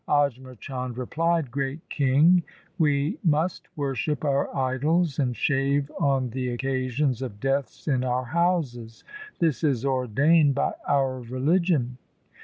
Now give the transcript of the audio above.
Ajmer Chand replied, ' Great king, we must worship our idols and shave on the occasions of deaths in our houses. This is ordained by our religion.'